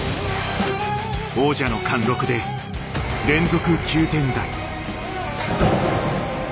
王者の貫禄で連続９点台。